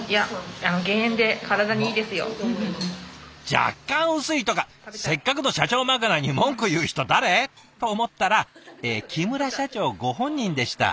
「若干薄い」とかせっかくの社長まかないに文句言う人誰？と思ったら木村社長ご本人でした。